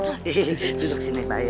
hehehe duduk sini abah ya